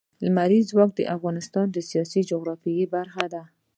لمریز ځواک د افغانستان د سیاسي جغرافیه برخه ده.